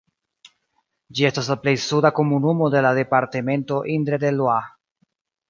Ĝi estas la plej suda komunumo de la departemento Indre-et-Loire.